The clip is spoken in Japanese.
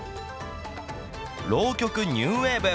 浪曲ニューウェーブ。